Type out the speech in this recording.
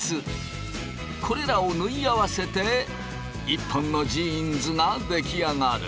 これらを縫い合わせて１本のジーンズが出来上がる。